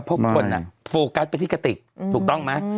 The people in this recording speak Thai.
พวกคนน่ะโฟกัสไปที่กะติกถูกต้องไหม